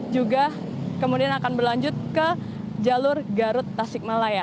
juga kemudian akan berlanjut ke jalur garut tasik malaya